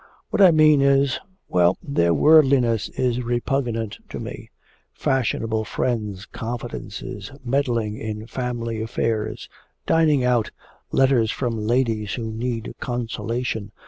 What I mean is well, their worldliness is repugnant to me fashionable friends, confidences, meddling in family affairs, dining out, letters from ladies who need consolation....